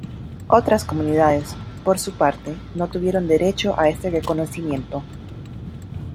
Otras comunidades, por su parte, no tuvieron derecho a este reconocimiento.